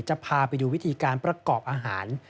จะพาไปดูวิธีการประกอบอาหาร